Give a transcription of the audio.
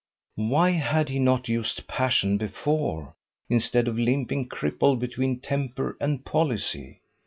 Why had he not used passion before, instead of limping crippled between temper and policy?